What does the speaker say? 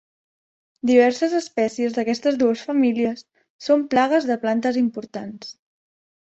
Diverses espècies d'aquestes dues famílies són plagues de plantes importants.